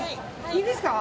いいですか？